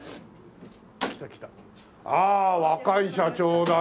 ああ若い社長だね。